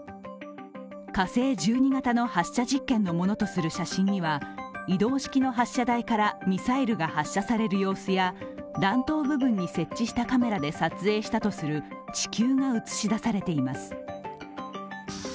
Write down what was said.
火星１２型の発射実験のものとする写真には移動式の発射台からミサイルが発射される様子や、弾頭部分に設置したカメラで撮影したとする地球が写し出されています。